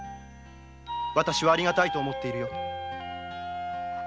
私は有り難いと思っているよ。